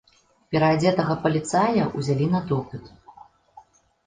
Пераадзетага паліцая ўзялі на допыт.